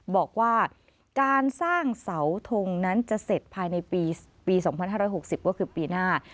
บอกว่าการสร้างเสาทงนั้นจะเสร็จภายในปี๒๕๖๐ก็คือปีหน้า